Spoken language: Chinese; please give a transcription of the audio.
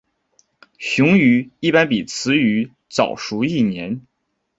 雄鱼一般比雌鱼早熟一年。